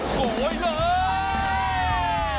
สวัสดีครับ